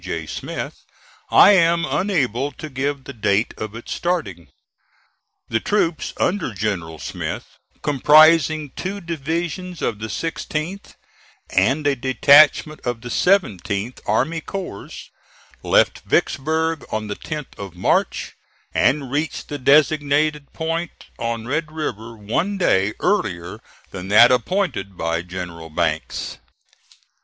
J. Smith, I am unable to give the date of its starting. The troops under General Smith, comprising two divisions of the 16th and a detachment of the 17th army corps, left Vicksburg on the 10th of March, and reached the designated point on Red River one day earlier than that appointed by General Banks.